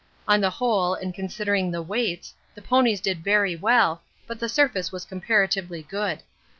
On the whole, and considering the weights, the ponies did very well, but the surface was comparatively good.